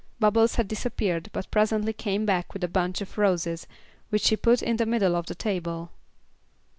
Bubbles had disappeared, but presently came back with a bunch of roses, which she put in the middle of the table.